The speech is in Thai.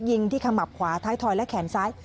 ยิงที่ขมับขวาท้ายถอยและแขนซ้าย